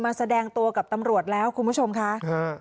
แสดงตัวกับตำรวจแล้วคุณผู้ชมค่ะ